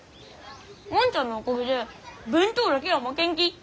万ちゃんのおかげで弁当だけは負けんき。